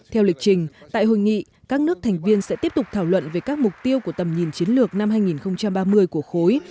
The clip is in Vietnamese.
theo lịch trình tại hội nghị các nước thành viên sẽ tiếp tục thảo luận về các mục tiêu của tầm nhìn chiến lược năm hai nghìn ba mươi của khối